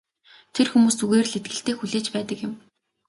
Тэр хүмүүс зүгээр л итгэлтэй хүлээж байдаг юм.